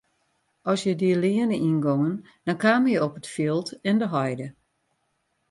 As je dy leane yngongen dan kamen je op it fjild en de heide.